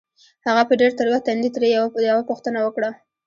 هغه په ډېر تروه تندي ترې يوه پوښتنه وکړه.